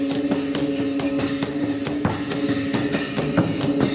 สวัสดีสวัสดี